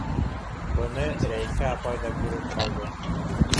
Быны Рәйфә апай ҙа күреп ҡалды.